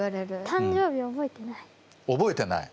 誕生日覚えてない。